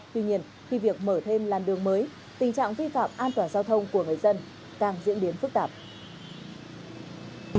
tuy nhiên khi việc mở thêm làn đường mới tình trạng vi phạm an toàn giao thông của người dân càng diễn biến phức tạp